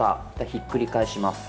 ひっくり返します。